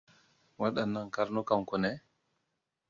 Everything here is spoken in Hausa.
Wadannan karnukan ku ne?